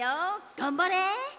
がんばれ！